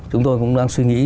chúng tôi cũng đang suy nghĩ